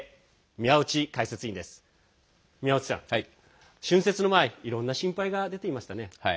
宮内さん、春節の前いろんな心配が出ていましたね。